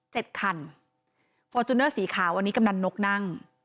คันฟอร์จูเนอร์สีขาวอันนี้กำนันนกนั่ง